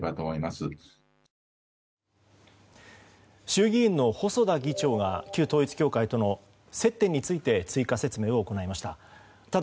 衆議院の細田議長が旧統一教会との接点について追加説明を行いました。